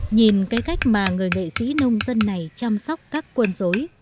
nhìn cái cách mà người nghệ sĩ nông dân này chăm sóc các quân dối